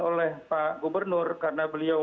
oleh pak gubernur karena beliau